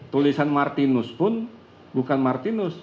tulisan martinus pun bukan martinus